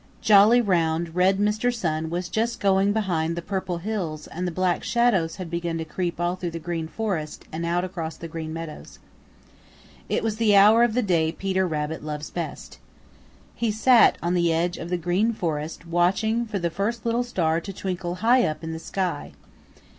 Jolly, round, red Mr. Sun was just going to bed behind the Purple Hills and the Black Shadows had begun to creep all through the Green Forest and out across the Green Meadows. It was the hour of the day Peter Rabbit loves best. He sat on the edge of the Green Forest watching for the first little star to twinkle high up in the sky.